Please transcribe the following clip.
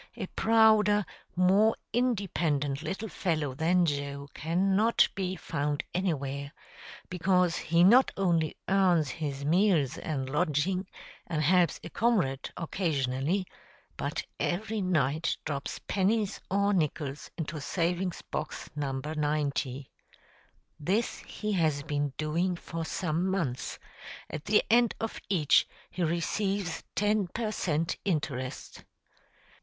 A prouder, more independent little fellow than Joe can not be found anywhere, because he not only earns his meals and lodging, and helps a comrade occasionally, but every night drops pennies or nickels into savings box No. 90. This he has been doing for some months; at the end of each he receives ten per cent. interest.